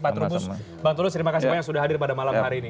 pak trubus bang tulus terima kasih banyak sudah hadir pada malam hari ini